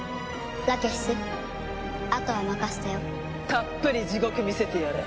たっぷり地獄見せてやれ。